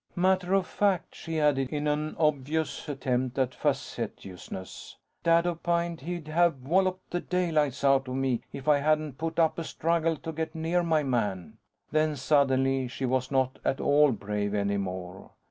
"Matter of fact," she added, in an obvious attempt at facetiousness, "Dad opined he'd have walloped the daylights out of me, if I hadn't put up a struggle to get near my man." Then suddenly, she was not at all brave, anymore.